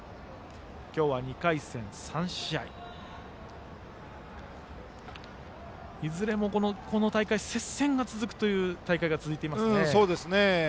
今日は２回戦、３試合いずれもこの大会接戦が続くという試合が続いていますね。